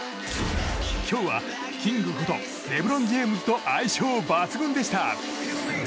今日は、キングことレブロン・ジェームズと相性抜群でした。